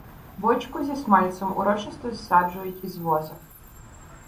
Бочку зі смальцем урочисто "зсаджують" із воза.